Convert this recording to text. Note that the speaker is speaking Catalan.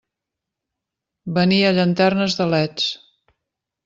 Venia llanternes de leds.